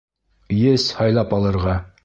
Есть һайлап алырға!